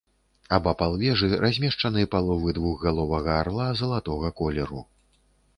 Абапал вежы размешчаны паловы двухгаловага арла залатога колеру.